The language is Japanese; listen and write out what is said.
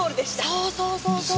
そうそうそうそう。